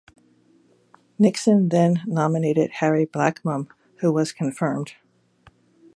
Nixon then nominated Harry Blackmun, who was confirmed.